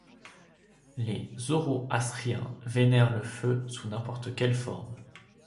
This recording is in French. Les zoroastriens vénèrent le feu sous n'importe quelle forme.